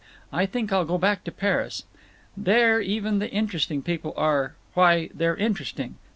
I think I'll go back to Paris. There even the Interesting People are—why, they're interesting.